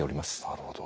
なるほど。